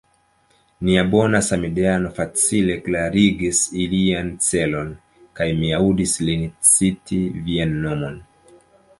Nia bona samideano facile klarigis ilian celon; kaj mi aŭdis lin citi vian nomon.